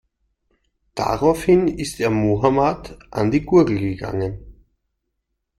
Daraufhin ist er Mohammad an die Gurgel gegangen.